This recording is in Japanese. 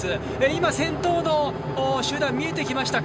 今、先頭の集団見えてきました。